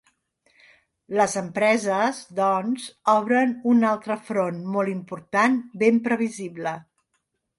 Les empreses, doncs, obren un altre front molt important, ben previsible.